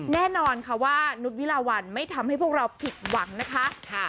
แน่นอนค่ะว่านุษย์วิลาวันไม่ทำให้พวกเราผิดหวังนะคะ